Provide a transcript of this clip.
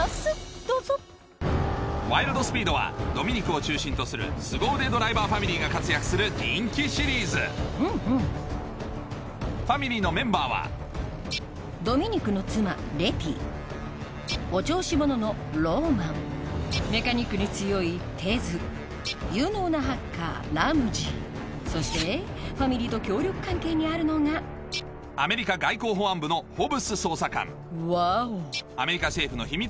どうぞ『ワイルド・スピード』はドミニクを中心とするスゴ腕ドライバーファミリーが活躍する人気シリーズうんうんファミリーのメンバーはドミニクの妻レティお調子者のローマンメカニックに強いテズ有能なハッカーラムジーそしてファミリーと協力関係にあるのがアメリカ外交保安部のホブス捜査官ワオアメリカ政府の秘密